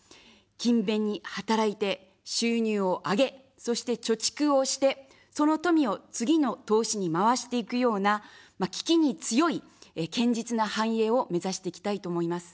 勤勉に働いて収入を上げ、そして貯蓄をして、その富を次の投資に回していくような、危機に強い、堅実な繁栄を目指していきたいと思います。